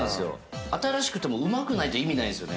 新しくてもうまくないと意味ないですよね